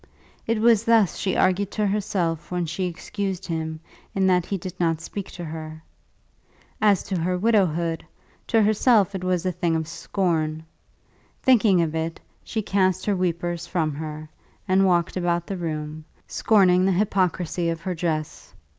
It was thus she argued to herself when she excused him in that he did not speak to her. As to her widowhood, to herself it was a thing of scorn. Thinking of it, she cast her weepers from her, and walked about the room, scorning the hypocrisy of her dress.